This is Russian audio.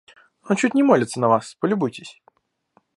Он чуть не молится на вас, полюбуйтесь.